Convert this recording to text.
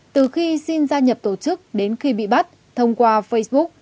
từ khi xin gia nhập tổ chức đến khi bị bắt thông qua facebook